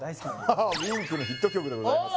Ｗｉｎｋのヒット曲でございます